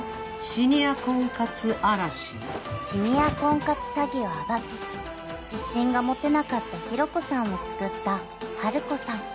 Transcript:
［シニア婚活詐欺を暴き自信が持てなかったひろ子さんを救ったハルコさん］